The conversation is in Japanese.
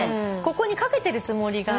ここにかけてるつもりが。